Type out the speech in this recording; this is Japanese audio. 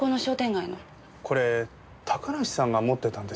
これ高梨さんが持ってたんです。